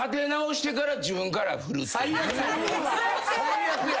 最悪や。